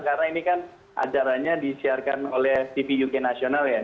karena ini kan acaranya di sharekan oleh tv uk national ya